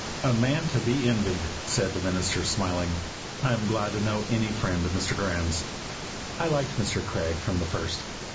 "A man to be envied," said the minister, smiling. "I am glad to know any friend of Mr. Graeme's." I liked Mr. Craig from the first.